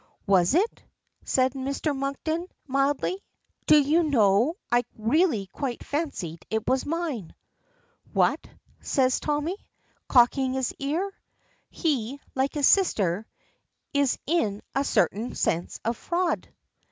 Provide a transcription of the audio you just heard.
"Was it?" says Mr. Monkton mildly. "Do you know, I really quite fancied it was mine." "What?" says Tommy, cocking his ear. He, like his sister, is in a certain sense a fraud.